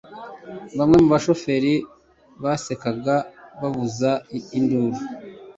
Bamwe mu bashoferi basekaga bavuza induru.